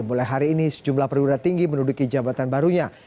mulai hari ini sejumlah perwira tinggi menuduki jabatan barunya